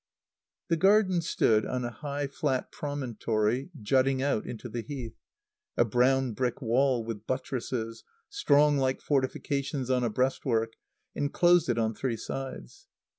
The garden stood on a high, flat promontory jutting out into the Heath. A brown brick wall with buttresses, strong like fortifications on a breastwork, enclosed it on three sides.